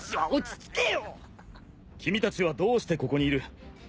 君たちはどうしてここにいる？